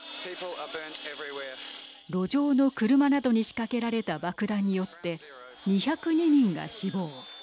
路上の車などに仕掛けられた爆弾によって２０２人が死亡。